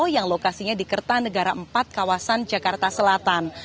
yang lokasinya di kertanegara empat kawasan jakarta selatan